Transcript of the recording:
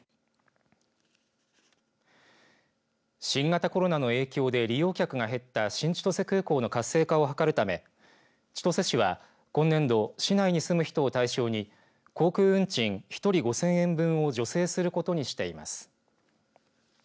新型コロナの影響で利用客が減った新千歳空港の活性化を図るため千歳市は今年度、市内に住む人を対象に航空運賃１人５０００円分を助成することにしています。